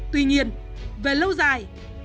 tuy nhiên về lâu dài tổ chức này không thể giúp đỡ